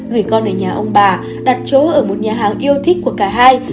gửi con ở nhà ông bà đặt chỗ ở một nhà hàng yêu thích của cả hai